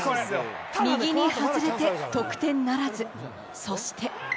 右に外れて得点ならず、そして。